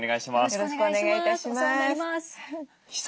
よろしくお願いします。